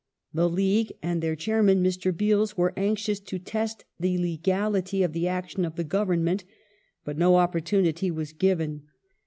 The League and their chairman, Mr. Beales, were anxious to test the legality of the action of the Government. But no opportunity was given.